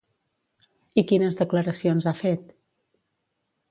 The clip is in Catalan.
I quines declaracions ha fet?